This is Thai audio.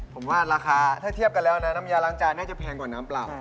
ผมว่าราคาถ้าเทียบกันแล้วนะน้ำยาล้างจานน่าจะแพงกว่าน้ำเปล่า